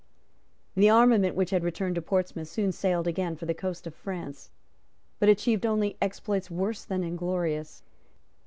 The armament which had returned to Portsmouth soon sailed again for the coast of France, but achieved only exploits worse than inglorious.